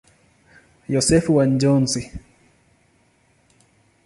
Yosefu wa Njozi.